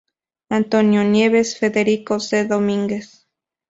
Antonio Nieves, Federico C. Domínguez.